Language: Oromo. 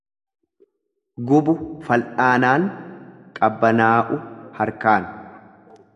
Gubu fal'aanaan, qabbanaa'u harkaan.